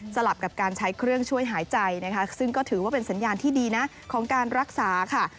ลับกับการใช้เครื่องช่วยหายใจนะคะซึ่งก็ถือว่าเป็นสัญญาณที่ดีนะของการรักษาค่ะ